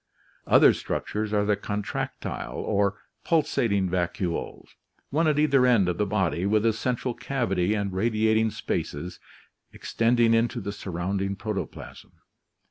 Other struc tures are the contractile or pulsating vacuoles, one at either end of the body, with a central cavity and radiating spaces extend ing into the surrounding protoplasm.